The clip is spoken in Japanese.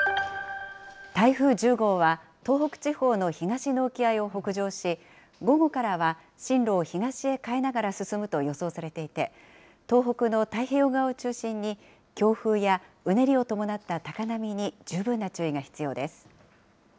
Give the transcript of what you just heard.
台風１０号は東北地方の東の沖合を北上し、午後からは進路を東へ変えながら進むと予想されていて、東北の太平洋側を中心に、強風や、うねりを伴った高波に十分な注意が必要です。